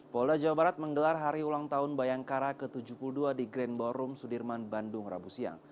polda jawa barat menggelar hari ulang tahun bayangkara ke tujuh puluh dua di grand ballroom sudirman bandung rabu siang